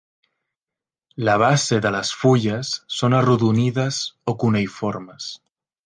La base de les fulles són arrodonides o cuneïformes.